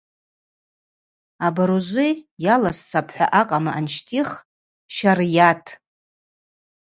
Абаружвы йаласцапӏ-хӏва акъама анщтӏих: Щарйат.